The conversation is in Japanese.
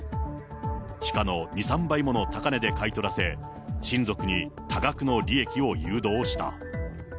市価の２、３倍もの高値で買い取らせ、親族に多額の利益を誘導した。